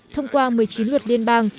thông qua một mươi chín luật liên bang